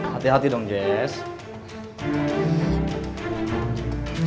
hati hati dong jess